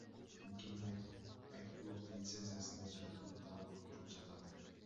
Мекеме Айткуловду лицензиясынан ажыратууну талап кылып жатат.